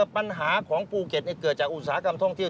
ปัญหาของภูเก็ตเกิดจากอุตสาหกรรมท่องเที่ยว